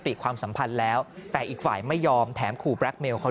ความสัมพันธ์แล้วแต่อีกฝ่ายไม่ยอมแถมขู่แบล็คเมลเขา